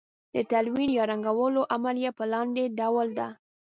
د تلوین یا رنګولو عملیه په لاندې ډول ده.